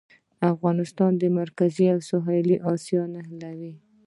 افغانستان مرکزي او سویلي اسیا نښلوي